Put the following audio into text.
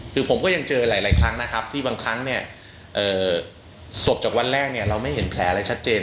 คือผมก็ยังเจอหลายครั้งนะครับที่บางครั้งเนี่ยศพจากวันแรกเนี่ยเราไม่เห็นแผลอะไรชัดเจน